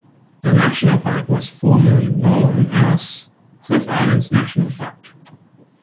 The national park was formerly known as Cliff Islands National Park.